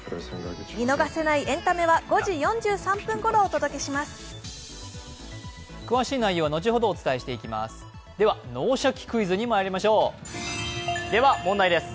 見逃せないエンタメは５時４３分ごろお伝えします。